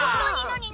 何？